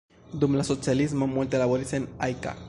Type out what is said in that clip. Dum la socialismo multe laboris en Ajka.